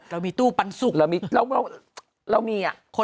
เรามีตู้ปันสุข